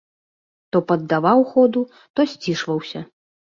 То паддаваў ходу, то сцішваўся.